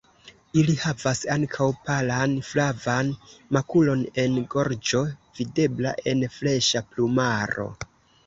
Ili havas ankaŭ palan flavan makulon en gorĝo videbla en freŝa plumaro.